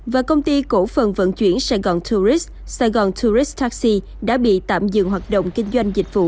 và công ty cổ phần vận chuyển sài gòn tourist sài gòn tourist taxi đã bị tạm dừng hoạt động kinh doanh dịch vụ